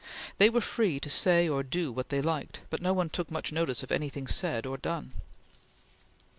They were free to say or do what they liked; but no one took much notice of anything said or done.